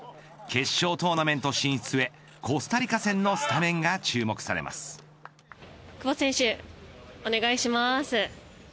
決勝トーナメント進出へコスタリカ戦のスタメンが久保選手、お願いします。